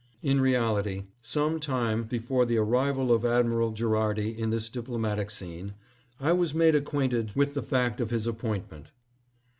" In reality, some time before the arrival of Admiral Gherardi on this diplomatic scene, I was made acquainted with the fact of his appointment.